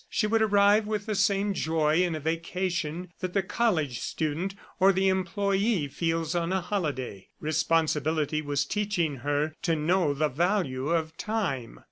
She would arrive with the same joy in a vacation that the college student or the employee feels on a holiday. Responsibility was teaching her to know the value of time.